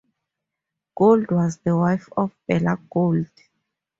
Gold was the wife of Bela Gold.